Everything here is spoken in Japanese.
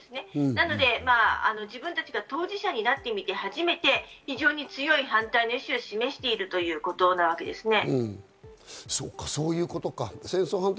なので、自分たちが当事者になってみて初めて非常に強い反対の意思を示しているということなわけですね。